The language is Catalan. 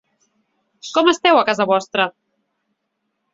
Com esteu, a casa vostra?